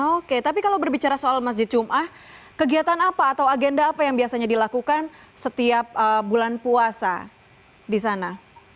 oke tapi kalau berbicara soal masjid ⁇ jumah ⁇ kegiatan apa atau agenda apa yang biasanya dilakukan setiap bulan puasa di sana